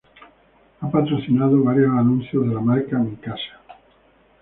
Ha patrocinado varios anuncios de la marca Mikasa.